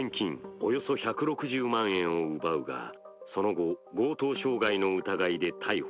およそ１６０万円を奪うがその後、強盗傷害の疑いで逮捕。